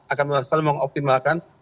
akan selalu mengoptimalkan